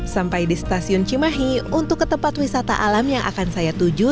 sampai di stasiun cimahi untuk ke tempat wisata alam yang akan saya tuju